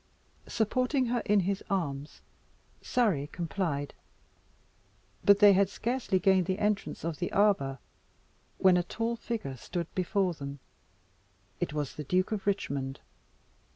Supporting her in his arms, Surrey complied, but they had scarcely gained the entrance of the arbour, when a tall figure stood before them. It was the Duke of Richmond.